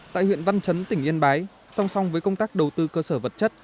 tại huyện văn chấn tỉnh yên bái song song với công tác đầu tư cơ sở vật chất